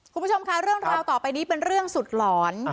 คุณผู้ชมค่ะเรื่องราวต่อไปนี้เป็นเรื่องสุดหลอน